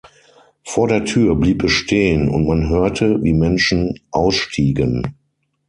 Vor der Tür blieb es stehen und man hörte, wie Menschen ausstiegen.